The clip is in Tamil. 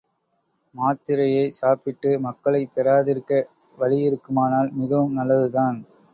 மாத்திரையைச் சாப்பிட்டு மக்களைப் பெறாதிருக்க வழியிருக்குமானால் மிகவும் நல்லதுதான்.